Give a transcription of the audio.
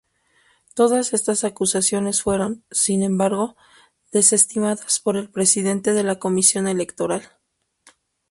Todas estas acusaciones fueron, sin embargo, desestimadas por el Presidente de la Comisión Electoral.